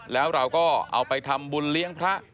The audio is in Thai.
แล้วเราก็เอาไปทำบุญเลี้ยงพระ